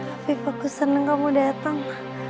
afif aku senang kamu datang